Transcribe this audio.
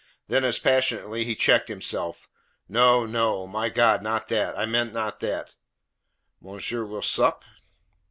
Then as passionately he checked himself. "No, no, my God not that! I meant not that." "Monsieur will sup?"